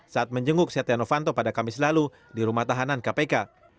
saat menjenguk setia novanto pada kamis lalu di rumah tahanan kpk